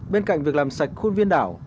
bên cạnh việc làm sạch khuôn viên đảo